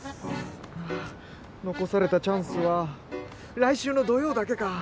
残されたチャンスは来週の土曜だけか。